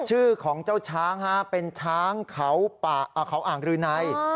ชื่อของเจ้าช้างเป็นช้างเขาอ่างรืนัย